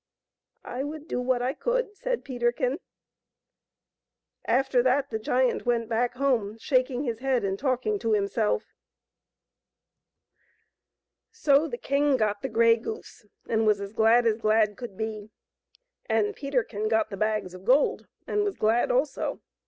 " I would do what I could, said Peterkin. After that the giant went back home, shaking his head and talking to himself. So the king got the grey goose, and was as glad as glad could be. And Peterkin got the bags of gold, and was glad also.